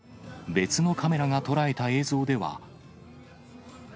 別のカメラが捉えた映像では。